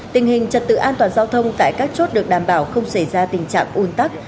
tình hình trật tự an toàn giao thông tại các chốt được đảm bảo không xảy ra tình trạng un tắc